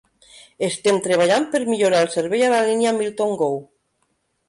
Estem treballant per millorar el servei a la línia Milton Go.